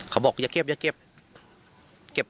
เขาบอกอย่าเก็บอย่าเก็บ